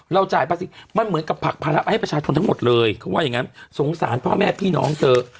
จ่ายภาษีมันเหมือนกับผลักภาระให้ประชาชนทั้งหมดเลยเขาว่าอย่างงั้นสงสารพ่อแม่พี่น้องเธอ